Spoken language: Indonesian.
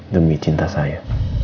demi cinta saya